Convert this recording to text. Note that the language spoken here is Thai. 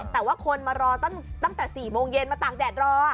แต่ว่าคนมารอตั้งแต่๔โมงเย็นมาตากแดดรอ